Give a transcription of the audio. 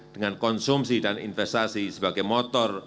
dengan konsumsi dan investasi sebagai motor